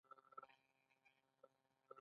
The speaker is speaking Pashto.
انجینرانو د خپلو چارو لپاره معیارونه جوړ کړي دي.